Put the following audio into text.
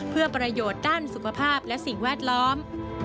เพื่อประโยชน์ด้านสุขภาพและสิ่งแวดล้อม